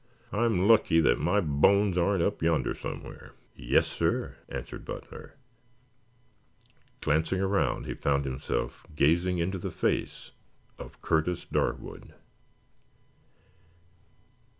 I'm lucky that my bones aren't up yonder somewhere." "Yes, sir," answered Butler. Glancing around he found himself gazing into the face of Curtis Darwood.